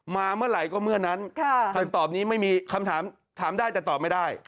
มาเมื่อไหร่ก็เมื่อนั้นคำถามได้แต่ตอบไม่ได้